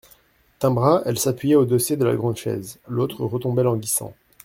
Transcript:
D'un bras elle s'appuyait au dossier de la grande chaise ; l'autre retombait languissant.